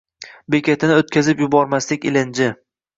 Bekatini o’tkazib yubormaslik ilinj.